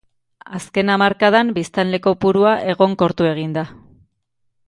Azken hamarkadan biztanle kopurua egonkortu egin da.